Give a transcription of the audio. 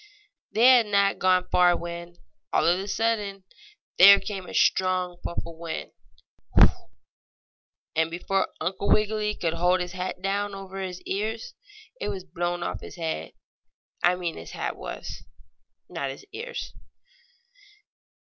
They had not gone far when, all of a sudden, there came a strong puff of wind, and, before Uncle Wiggily could hold his hat down over his ears, it was blown off his head. I mean his hat was not his ears.